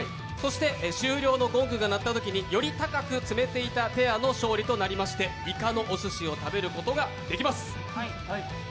終了のゴングが鳴ったときにより高く積めていたペアの勝利となりましていかのおすしを食べることができます。